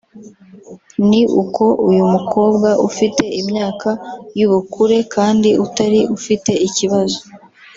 ni uko uyu mukobwa ufite imyaka y’ubukure kandi utari ufite ikibazo